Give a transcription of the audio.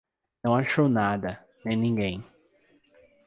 Não achou nada, nem ninguém.